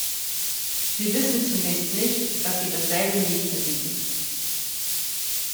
Sie wissen zunächst nicht, dass sie dasselbe Mädchen lieben.